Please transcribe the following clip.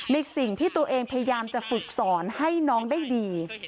ในสิ่งที่ตัวเองพยายามจะฝึกสอนให้น้องได้ดี